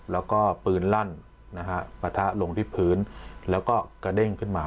แล้วก็ปืนลั่นนะฮะปะทะลงที่พื้นแล้วก็กระเด้งขึ้นมา